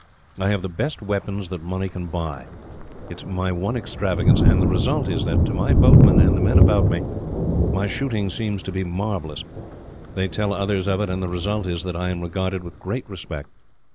I have the best weapons that money can buy. It is my one extravagance, and the result is that, to my boatmen and the men about me, my shooting seems to be marvellous; they tell others of it, and the result is that I am regarded with great respect.